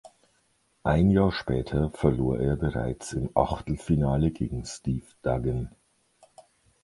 Ein Jahr später verlor er bereits im Achtelfinale gegen Steve Duggan.